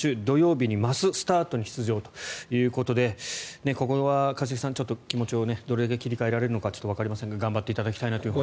土曜日にマススタートに出場ということでここは一茂さん、気持ちをどれだけ切り替えられるのかちょっとわかりませんが頑張っていただきたいなと。